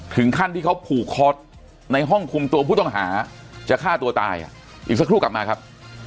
ถึงขั้นที่เขาผูกคอสในห้องคุมตัวผู้ต้องหาจะฆ่าตัวตายอ่ะอีกสักครู่กลับมาครับ